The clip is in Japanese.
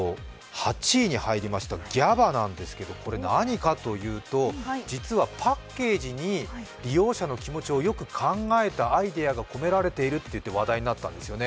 ８位に入りましたＧＡＢＡなんですけれども、これ何かというと、実はパッケージに利用者の気持ちをよく考えたアイデアが込められているといって話題になったんですよね。